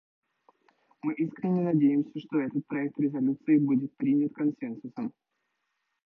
Мы искренне надеемся, что этот проект резолюции будет принят консенсусом.